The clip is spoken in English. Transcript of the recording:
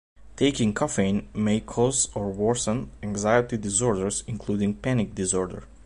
Taking caffeine may cause or worsen anxiety disorders, including panic disorder.